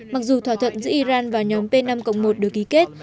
mặc dù thỏa thuận giữa iran và nhóm p năm một được ký kết